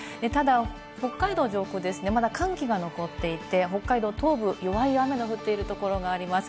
ただ北海道上空、寒気が残っていて北海道東部に弱い雨が降っているところがあります。